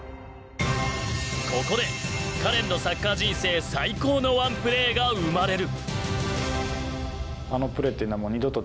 ここでカレンのサッカー人生最高のワンプレーが生まれる。